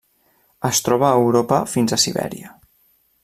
Es troba a Europa fins a Sibèria.